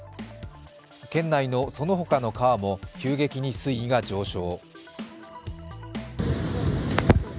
県内のその他の川も急激に水位が上昇。